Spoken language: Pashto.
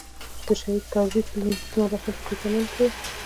د شهید کرزي تلین مراسم په دې چمن کې وو.